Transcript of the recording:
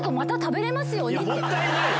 もったいないよ！